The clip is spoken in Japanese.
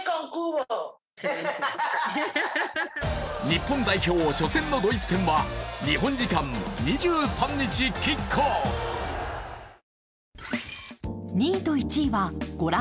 日本代表、初戦のドイツ戦は日本時間２３日キックオフ。